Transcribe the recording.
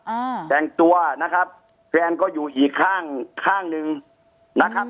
อ่าแต่งตัวนะครับแฟนก็อยู่อีกข้างข้างหนึ่งนะครับ